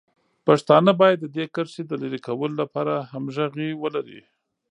پښتانه باید د دې کرښې د لرې کولو لپاره همغږي ولري.